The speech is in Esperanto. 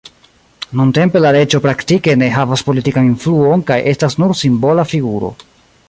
Nuntempe la reĝo praktike ne havas politikan influon kaj estas nur simbola figuro.